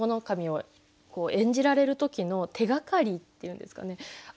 守を演じられる時の手がかりっていうんですかね